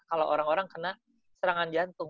kalau orang orang kena serangan jantung